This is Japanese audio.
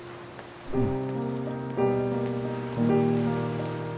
うん。